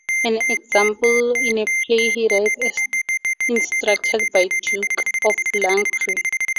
An example is the play he writes as instructed by the Duke of Lancre.